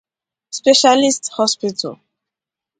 'Specialist Hospital'